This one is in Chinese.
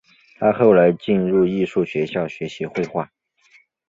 他后来进入艺术学校学习绘画。